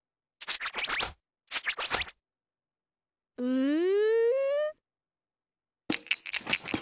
うん？